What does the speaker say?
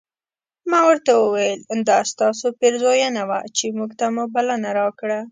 ما ورته وویل دا ستاسو پیرزوینه وه چې موږ ته مو بلنه راکړله.